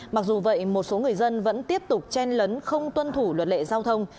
mặc dù vậy một số người dân vẫn tiếp tục chen lấn không tuân thủ luật lệ giao thông